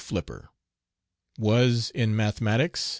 Flipper Was, in Mathematics.........